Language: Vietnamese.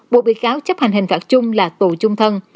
buộc bị cáo chấp hành hình phạt chung là tù trung thân